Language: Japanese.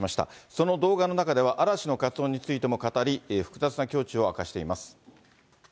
その動画の中では、嵐の活動についても語り、複雑な胸中を明かしています。